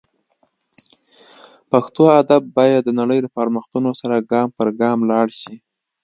پښتو ادب باید د نړۍ له پرمختګونو سره ګام پر ګام لاړ شي